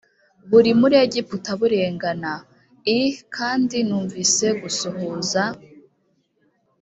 buri muri egiputa burengana l kandi numvise gusuhuza